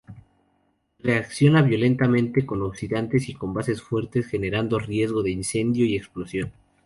Reacciona violentamente con oxidantes y con bases fuertes generando riesgo de incendio y explosión.